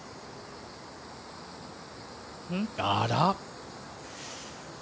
あら？